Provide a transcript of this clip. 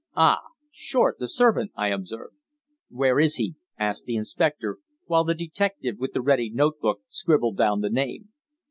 "Ah! Short, the servant," I observed. "Where is he?" asked the inspector, while the detective with the ready note book scribbled down the name.